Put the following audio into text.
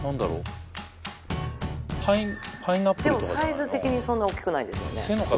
サイズ的にそんなおっきくないですよね